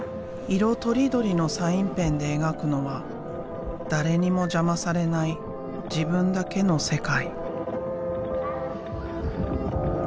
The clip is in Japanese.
色とりどりのサインペンで描くのは誰にも邪魔されない自分だけの世界。